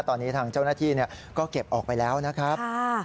ตอนนี้ทางเจ้าหน้าที่ก็เก็บออกไปแล้วนะครับ